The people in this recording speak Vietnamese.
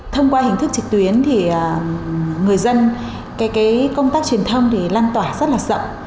thông qua hình thức trực tuyến thì người dân cái công tác truyền thông thì lan tỏa rất là rộng